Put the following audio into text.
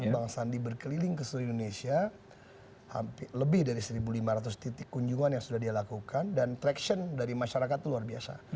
bang sandi berkeliling ke seluruh indonesia lebih dari satu lima ratus titik kunjungan yang sudah dia lakukan dan traction dari masyarakat itu luar biasa